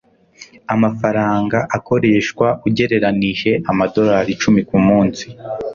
Amafaranga akoreshwa ugereranije amadorari icumi kumunsi.